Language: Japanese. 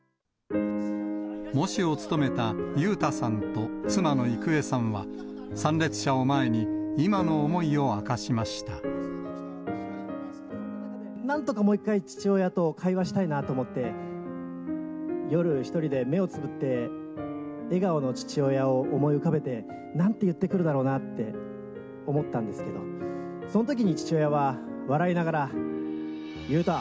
喪主を務めた裕太さんと妻の郁恵さんは、参列者を前に、今の思いなんとかもう一回、父親と会話したいなと思って、夜１人で目をつぶって、笑顔の父親を思い浮かべて、なんて言ってくるだろうなって思ったんですけど、そのときに父親は、笑いながら、裕太、